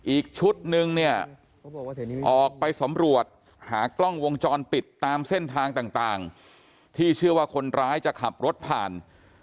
อีกชุดนึงเนี่ยออกไปสำรวจหากล้องวงจรปิดตามเส้นทางต่างที่เชื่อว่าคนร้ายจะขับรถผ่าน